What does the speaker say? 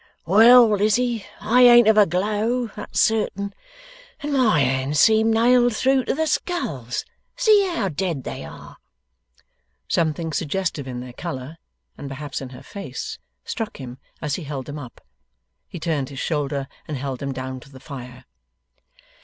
'Well, Lizzie, I ain't of a glow; that's certain. And my hands seem nailed through to the sculls. See how dead they are!' Something suggestive in their colour, and perhaps in her face, struck him as he held them up; he turned his shoulder and held them down to the fire.